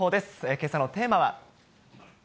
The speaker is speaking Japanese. けさのテーマは。